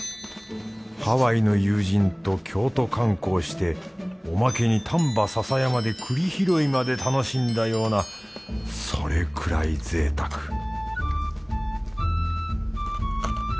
ハワイの友人と京都観光しておまけに丹波篠山で栗拾いまで楽しんだようなそれくらいぜいたく